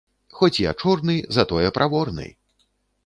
Хоць я чорны, затое праворны.